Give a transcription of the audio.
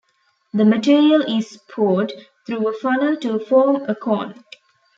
The material is poured through a funnel to form a cone.